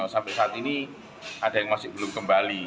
sampai saat ini ada yang masih belum kembali